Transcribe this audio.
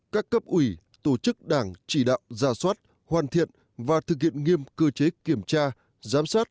các cấp ủy tổ chức đảng chỉ đạo gia soát hoàn thiện và thực hiện nghiêm cơ chế kiểm tra